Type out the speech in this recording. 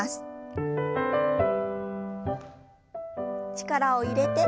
力を入れて。